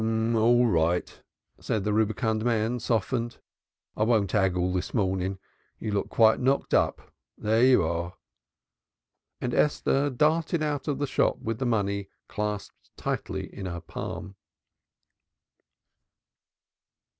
"All right," said the rubicund man softened. "I won't 'aggle this mornen. You look quite knocked up. Here you are!" and Esther darted out of the shop with the money clasped tightly in her palm.